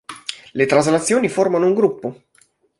Le traslazioni formano un gruppo.